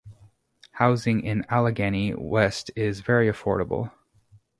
Housing in Allegheny West is very affordable.